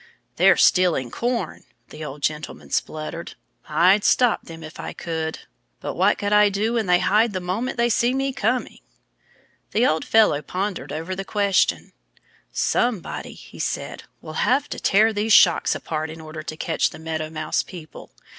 "They're stealing corn!" the old gentleman spluttered. "I'd stop them if I could. But what can I do when they hide the moment they see me coming?" The old fellow pondered over the question. "Somebody," he said, "will have to tear these shocks apart in order to catch the Meadow Mouse people.